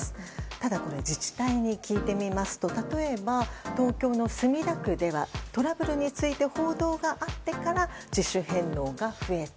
ただこれ自治体に聞いてみますと例えば東京の墨田区ではトラブルについて報道があってから自主返納が増えた。